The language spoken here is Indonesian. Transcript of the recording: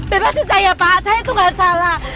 bebasin saya pak saya itu nggak salah